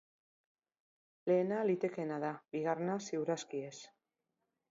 Lehena litekeena da, bigarrena ziur aski ez.